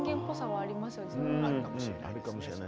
あるかもしれない。